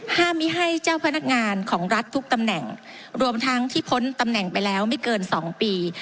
ไม่ให้เจ้าพนักงานของรัฐทุกตำแหน่งรวมทั้งที่พ้นตำแหน่งไปแล้วไม่เกินสองปี